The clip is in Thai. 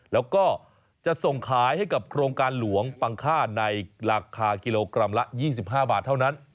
แล้วก็จะส่งขายให้กับโครงการหลวงปังค่าในราคากิโลกรัมละ๒๕บาทเท่านั้น